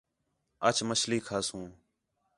اَڄ مچھلی کھاسوں